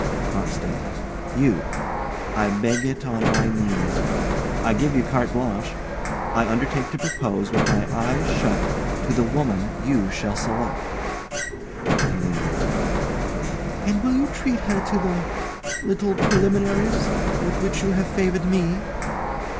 CROCKSTEAD. You. I beg it on my knees. I give you carte blanche. I undertake to propose, with my eyes shut, to the woman you shall select. ALINE. And will you treat her to the little preliminaries with which you have favoured me?